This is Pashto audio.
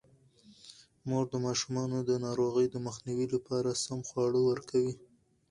مور د ماشومانو د ناروغۍ د مخنیوي لپاره سم خواړه ورکوي.